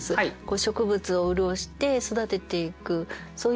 植物を潤して育てていくそういう雨ですね。